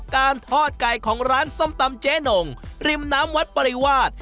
การทอดไก่ของร้านส้มตำเจ๊นงริมน้ำวัดปริวาส